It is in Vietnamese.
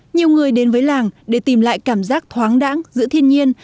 nhiều người đến với làng để tìm lại cảm giác thoáng đẳng giữa thiên nhiên